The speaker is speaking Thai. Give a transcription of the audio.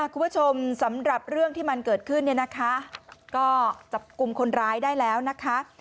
สำหรับเรื่องที่มันเกิดขึ้นเนี่ยนะคะก็จับกลุ่มคนร้ายได้แล้วนะคะ